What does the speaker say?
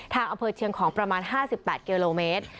อำเภอเชียงของประมาณ๕๘กิโลเมตร